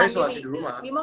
bimo gak boleh kemana mana